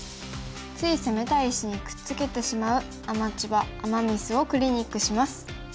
つい攻めたい石にくっつけてしまうアマチュアアマ・ミスをクリニックします。